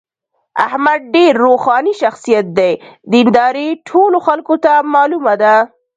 احمد ډېر روښاني شخصیت دی. دینداري ټولو خلکو ته معلومه ده.